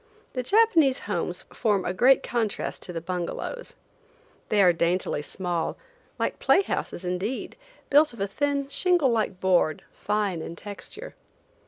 The Japanese homes form a great contrast to the bungalows. They are daintily small, like play houses indeed, built of a thin shingle like board, fine in texture.